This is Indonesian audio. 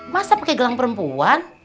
masa pake gelang perempuan